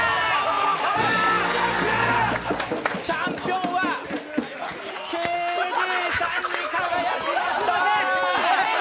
チャンピオンはＫＺさんに輝きました！